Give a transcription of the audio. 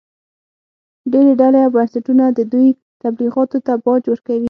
ډېرې ډلې او بنسټونه د دوی تبلیغاتو ته باج ورکوي